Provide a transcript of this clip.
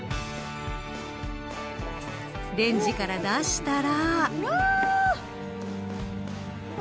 レンジから出したら。